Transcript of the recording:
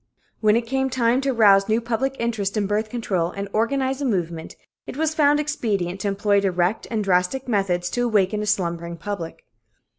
When it came time to arouse new public interest in birth control and organize a movement, it was found expedient to employ direct and drastic methods to awaken a slumbering public.